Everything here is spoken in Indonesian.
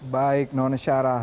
baik non syarah